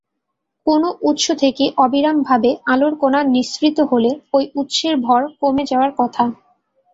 কোনো উৎস থেকে অবিরামভাবে আলোর কণা নিঃসৃত হলে ওই উৎসের ভর কমে যাওয়ার কথা।